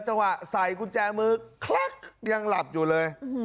จังหวะใส่กุญแจมือคลักยังหลับอยู่เลย